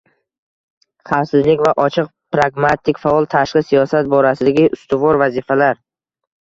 Xavfsizlik va ochiq pragmatik faol tashqi siyosat borasidagi ustuvor vazifalar.